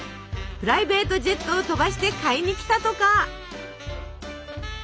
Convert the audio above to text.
プライベートジェットを飛ばして買いに来たとか。